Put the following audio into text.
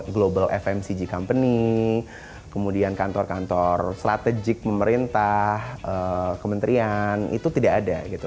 global fmcg company kemudian kantor kantor strategik pemerintah kementerian itu tidak ada gitu